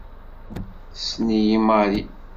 Tessen-iyi Mari.